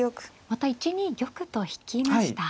また１二玉と引きました。